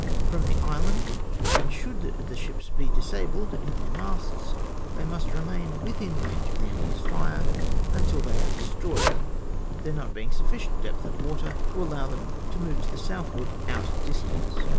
from the island, and should the ships be disabled in their masts, they must remain within range of the enemy'' s fire until they are destroyed — there not being sufficient depth of water to allow them to move to the southward out of distance.